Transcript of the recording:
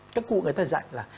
các cụ người ta dạy là